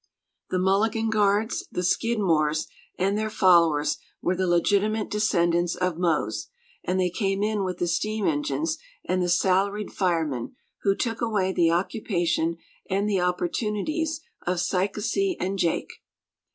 The Mulligan Guards, The Skidmores, and their followers were the legitimate descendants of Mose, and they came in with the steam engines and the salaried firemen, who took away the occupation and the opportunities of Sykesy and Jake.